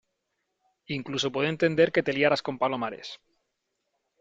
incluso puedo entender que te liaras con Palomares .